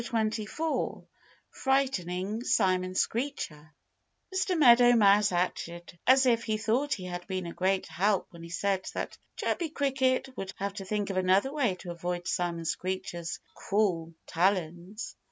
XXIV FRIGHTENING SIMON SCREECHER Mr. Meadow Mouse acted as if he thought he had been a great help when he said that Chirpy Cricket would have to think of another way to avoid Simon Screecher's cruel talons.